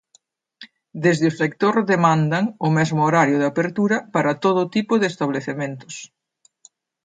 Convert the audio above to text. Desde o sector demandan o mesmo horario de apertura para todo tipo de establecementos.